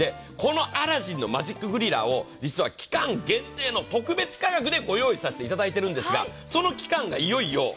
このアラジンのマジックグリラーを期間限定の特別価格でご用意させていただいているんですが、その期間がいよいよ。